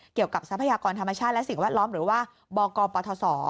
ทรัพยากรธรรมชาติและสิ่งแวดล้อมหรือว่าบกปทศ